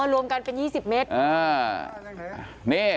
รวมกันเป็น๒๐เมตร